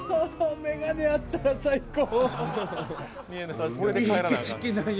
眼鏡あったら最高。